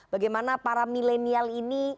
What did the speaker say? bagaimana para milenial ini